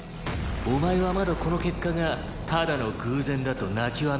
「お前はまだこの結果がただの偶然だと泣きわめくか？」